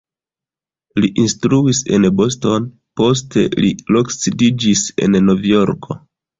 Li instruis en Boston, poste li loksidiĝis en Novjorko.